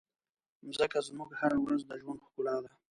مځکه زموږ هره ورځ د ژوند ښکلا ده.